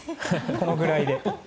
このぐらいで。